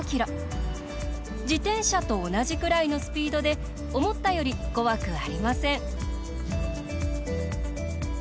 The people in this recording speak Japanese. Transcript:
自転車と同じくらいのスピードで思ったより怖くありません。